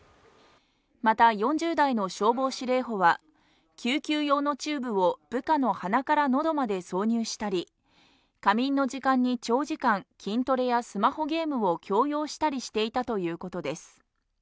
また４０代の消防司令補は救急用のチューブを部下の鼻から喉まで挿入したり、仮眠の時間に長時間、筋トレやスマホゲームを強要していたということです。